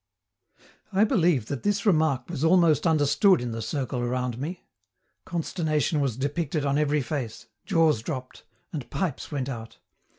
I believe that this remark was almost understood in the circle around me. Consternation was depicted on every face, jaws dropped, and pipes went out.